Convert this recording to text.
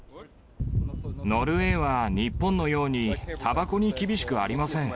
ノルウェーは日本のようにたばこに厳しくありません。